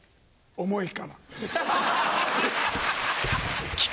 重いから。